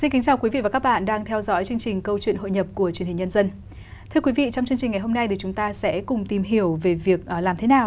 thưa quý vị trong chương trình ngày hôm nay chúng ta sẽ cùng tìm hiểu về việc làm thế nào